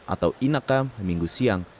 atau inaka minggu siang